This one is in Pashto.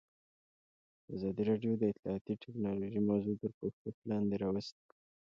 ازادي راډیو د اطلاعاتی تکنالوژي موضوع تر پوښښ لاندې راوستې.